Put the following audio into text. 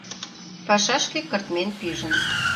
Пашашке кыртмен пижын.